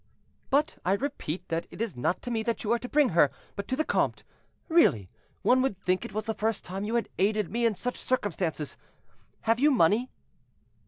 "But I repeat that it is not to me that you are to bring her, but to the comte. Really, one would think it was the first time you had aided me in such circumstances. Have you money?"